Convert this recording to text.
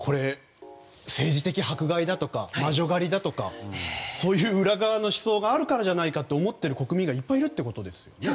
政治的迫害だとか魔女狩りだとかそういう裏側の思想があるからじゃないかと思っている国民がいっぱい、いるということですよね。